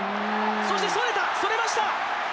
そしてそれた、それました！